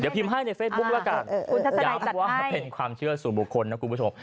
เดี๋ยวพิมพ์ให้ในเฟสบุ๊คล่ะกันคุณทัศนัยตัดให้อย่าบอกว่าเป็นความเชื่อสู่บุคคลนะคุณผู้ชม